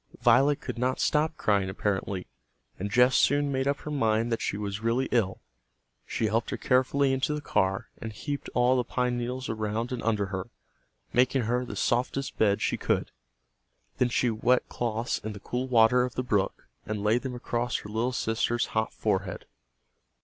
Violet could not stop crying, apparently, and Jess soon made up her mind that she was really ill. She helped her carefully into the car, and heaped all the pine needles around and under her, making her the softest bed she could. Then she wet cloths in the cool water of the brook and laid them across her little sister's hot forehead.